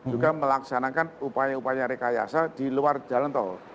juga melaksanakan upaya upaya rekayasa di luar jalan tol